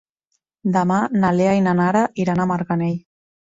Demà na Lea i na Nara iran a Marganell.